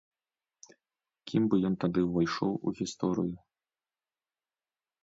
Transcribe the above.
Кім бы ён тады ўвайшоў у гісторыю?